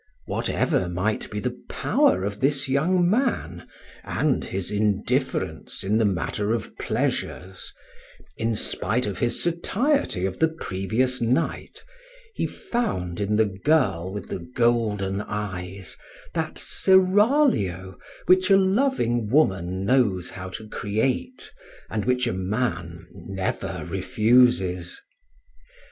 Whatever might be the power of this young man, and his indifference in the matter of pleasures, in spite of his satiety of the previous night, he found in the girl with the golden eyes that seraglio which a loving woman knows how to create and which a man never refuses.